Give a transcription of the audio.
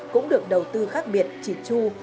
cũng được đầu tư khác biệt chỉ tru